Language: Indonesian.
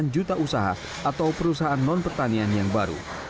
delapan juta usaha atau perusahaan non pertanian yang baru